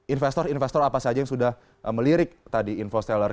investor investor apa saja yang sudah melirik tadi infosteller